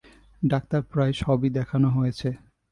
Doctor প্রায় সবই দেখানো হয়েছে।